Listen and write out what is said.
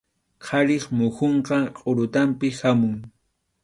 Qharip muhunqa qʼurutanpi hamun.